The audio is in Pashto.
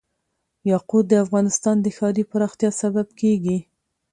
یاقوت د افغانستان د ښاري پراختیا سبب کېږي.